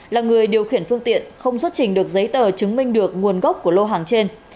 là người điều khiển phương tiện không xuất trình được giấy tờ chứng minh được nguồn gốc của lô hàng trên